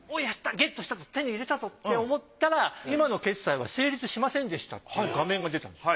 ゲットしたぞ手に入れたぞって思ったら「今の決済は成立しませんでした」っていう画面が出たんですよ。